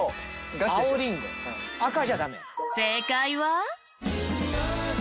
正解は。